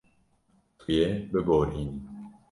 Tu yê biborînî.